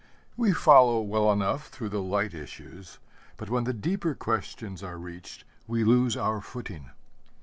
We follow well enough through the light issues, but when the deeper questions are reached we lose our footing.